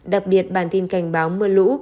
đặc biệt bản tin cảnh báo mưa lũ